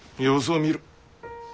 様子を見る。